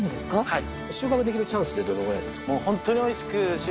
はい。